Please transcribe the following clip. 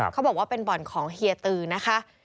เขาบอกว่าเป็นบ่อนของเฮียตือนะคะ